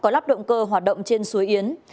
có lắp động cơ hoạt động trên suối yến